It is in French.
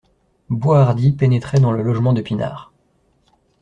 Boishardy pénétrait dans le logement de Pinard.